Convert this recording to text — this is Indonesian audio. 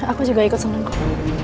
aku juga ikut sama kamu